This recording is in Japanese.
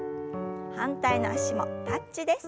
反対の脚もタッチです。